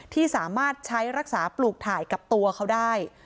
ที่สามารถใช้รักษาปลูกถ่ายกับตัวเขาได้